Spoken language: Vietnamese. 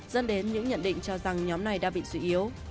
dẫn đến những nhận định cho rằng nhóm này đã bị suy yếu